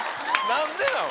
何でなの？